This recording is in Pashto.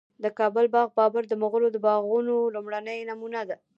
د کابل باغ بابر د مغلو د باغونو لومړنی نمونه ده